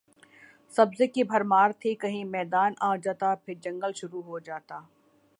سبزہ کی بھرمار تھی کہیں میدان آ جاتا پھر جنگل شروع ہو جاتا